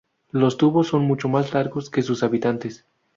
Los tubos son mucho más largos que sus habitantes.